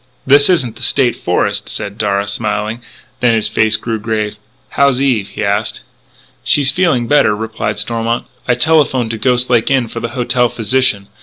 "This isn't the State Forest," said Darragh, smiling. Then his face grew grave: "How is Eve?" he asked. "She's feeling better," replied Stormont. "I telephoned to Ghost Lake Inn for the hotel physician....